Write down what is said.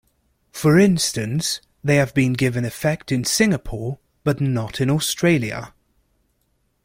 For instance, they have been given effect in Singapore but not in Australia.